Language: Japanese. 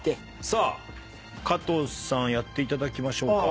さあ加藤さんやっていただきましょうか。